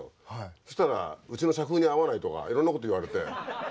そしたらうちの社風に合わないとかいろんなこと言われて。